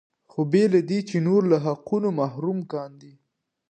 خو بې له دې چې نور له حقونو محروم کاندي.